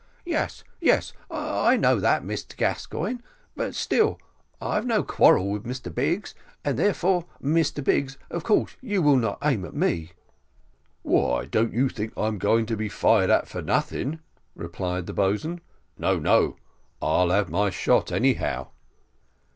"Yes, yes, I know that, Mr Gascoigne; but still I've no quarrel with Mr Biggs, and therefore, Mr Biggs, of course you will not aim at me." "Why, you don't think that I'm going to be fired at for nothing," replied the boatswain; "no, no, I'll have my shot anyhow."